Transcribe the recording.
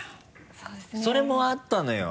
それもあったのよ